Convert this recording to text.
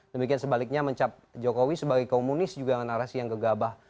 demikian sebaliknya mencap jokowi sebagai komunis juga dengan narasi yang gegabah